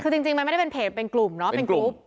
คือจริงมันไม่ได้เป็นเพจเป็นกลุ่มเนาะเป็นกรุ๊ป